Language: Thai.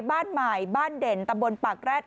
บ้านใหม่บ้านเด่นตำบลปากแร็ด